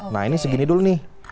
nah ini segini dulu nih